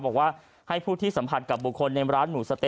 บอกว่าให้ผู้ที่สัมผัสกับบุคคลในร้านหมูสะเต๊